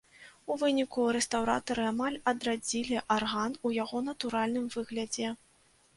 У выніку рэстаўратары амаль адрадзілі арган у яго натуральным выглядзе.